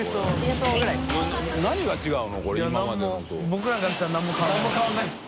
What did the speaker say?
僕らからしたら何も変わらないです。